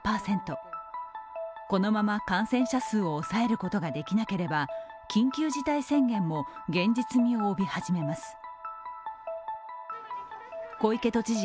このまま感染者数を抑えることができなければ緊急事態宣言も現実味を帯び始めます。